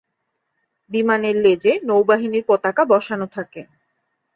বিমানের লেজে নৌবাহিনীর পতাকা বসানো থাকে।